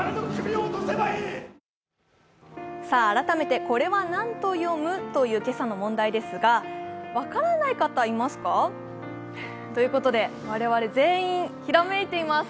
改めてこれは何と読むという今朝の問題ですが、分からない方、いますか？ということで、我々全員、ひらめいています。